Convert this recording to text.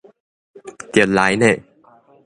著來呢！